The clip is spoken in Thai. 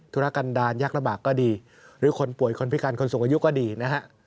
ธุรกันดาลยักระบาดก็ดีหรือคนป่วยคนพิการคนสูงอายุก็ดีนะฮะ